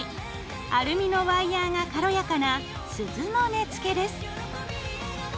アルミのワイヤーが軽やかな鈴の根付です。